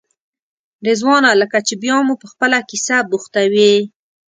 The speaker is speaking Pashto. رضوانه لکه چې بیا مو په خپله کیسه بوختوې.